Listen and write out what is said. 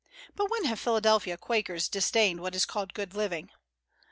But when have Philadelphia Quakers disdained what is called good living?